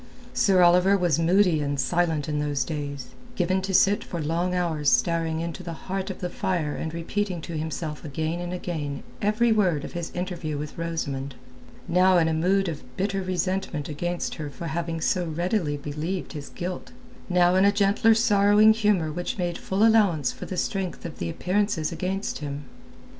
Sir Oliver was moody and silent in those days, given to sit for long hours staring into the heart of the fire and repeating to himself again and again every word of his interview with Rosamund, now in a mood of bitter resentment against her for having so readily believed his guilt, now in a gentler sorrowing humour which made full allowance for the strength of the appearances against him.